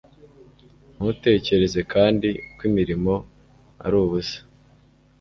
Ntutekereze kandi ko imirimo ari ubusa